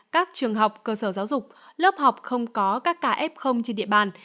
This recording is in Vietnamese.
các trường học cơ sở giáo dục lớp học không có các kf trên địa bàn